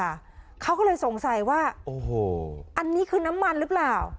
เขาก็เลยสงสัยว่าโอ้โหอันนี้คือน้ำมันหรือเปล่า